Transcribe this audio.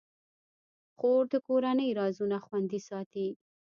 خور د کورنۍ رازونه خوندي ساتي.